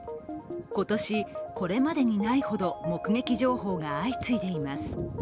今年、これまでにないほど目撃情報が相次いでいます。